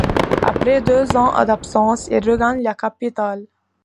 Après deux ans d'absence, il regagne la capitale.